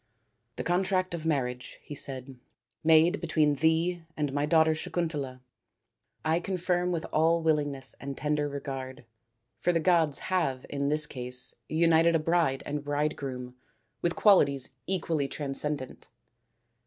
" The contract of marriage," he said, " made between thee and my daughter Sakuntala, I confirm with all willingness and tender regard, for the gods have in this case united a bride and bridegroom with qualities equally transcendant.